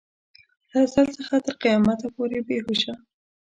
له ازل څخه تر قیامته پورې بې هوشه.